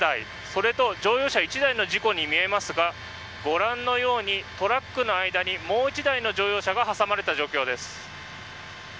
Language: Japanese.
それと乗用車１台の事故に見えますがご覧のようにトラックの間にもう１台の乗用車が挟まれた状況です。